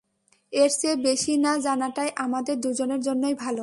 এর চেয়ে বেশি না জানাটাই আমাদের দুজনের জন্যই ভালো।